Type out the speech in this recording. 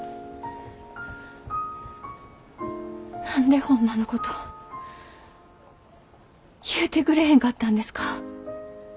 何でホンマのこと言うてくれへんかったんですか？